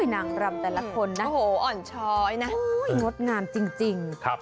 นางรำแต่ละคนนะโอ้โหอ่อนช้อยนะงดงามจริง